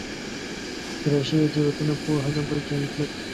تکرار شوې تېروتنه پوهه نه بلکې غفلت دی.